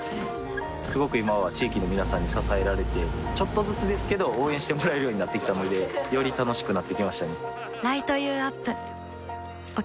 すごく今は地域の皆さんに支えられてちょっとずつですけど応援してもらえるようになってきたのでより楽しくなってきましたね